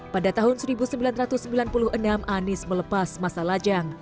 pada tahun seribu sembilan ratus sembilan puluh enam anies melepas masa lajang